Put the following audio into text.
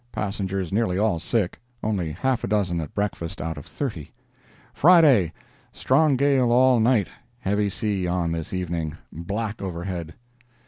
Passengers nearly all sick; only half a dozen at breakfast out of thirty. Friday—Strong gale all night; heavy sea on this evening; black overhead.